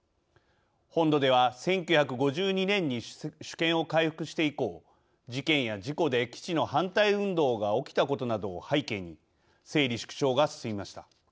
本土では１９５２年に主権を回復して以降事件や事故で基地の反対運動が起きたことなどを背景に整理・縮小が進みました。